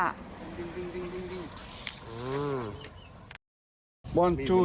ดิงดิงดิงดิงอื้ออื้อ